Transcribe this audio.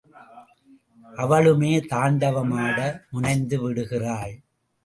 அவளுமே தாண்டவம் ஆட முனைந்து விடுகிறாள்.